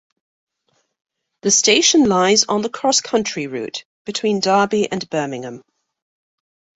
The station lies on the Cross Country Route, between Derby and Birmingham.